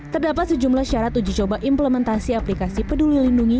terdapat sejumlah syarat uji coba implementasi aplikasi peduli lindungi